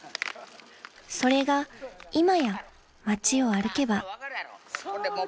［それが今や街を歩けば］